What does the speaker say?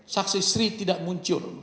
saksi sri tidak muncul